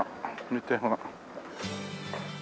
見てほら。